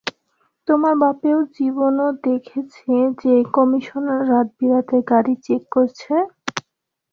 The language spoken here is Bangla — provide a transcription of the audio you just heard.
তোমার বাপেও জীবনও দেখেছে, যে কমিশনার রাত-বিরাতে গাড়ি চেক করছে?